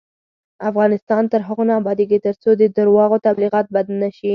افغانستان تر هغو نه ابادیږي، ترڅو د درواغو تبلیغات بند نشي.